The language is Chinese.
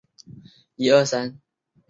店址位于中山六路。